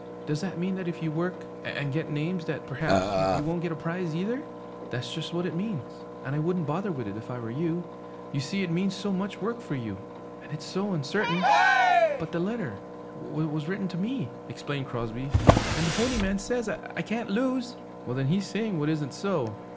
'Does that mean that if you work and get names that perhaps you won't get a prize either?' 'That's just what it means, and I wouldn't bother with it if I were you. You see it means so much work for you and it's so uncertain.' 'But the letter was written to me,' explained Crosby. 'And the Pony Man says I can't lose!' 'Well, then he's saying what isn't so.